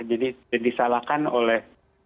jadi disalahkan oleh